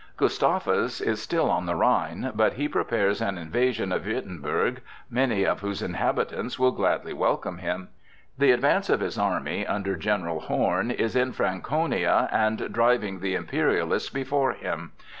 Gustavus is still on the Rhine, but he prepares an invasion of Würtemberg, many of whose inhabitants will gladly welcome him. The advance of his army, under General Horn, is in Franconia and driving the Imperialists before him.